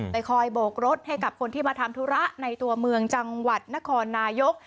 คอยโบกรถให้กับคนที่มาทำธุระในตัวเมืองจังหวัดนครนายก